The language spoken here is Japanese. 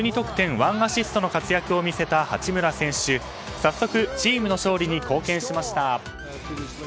１アシストの活躍を見せた八村選手、早速チームの勝利に貢献しました。